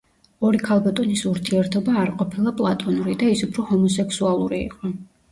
ორი ქალბატონის ურთიერთობა არ ყოფილა პლატონური და ის უფრო ჰომოსექსუალური იყო.